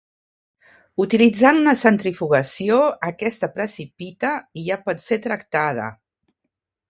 Utilitzant una centrifugació, aquesta precipita i ja pot ser tractada.